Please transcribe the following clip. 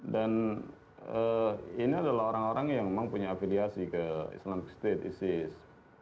dan ini adalah orang orang yang memang punya afiliasi ke islamistate isis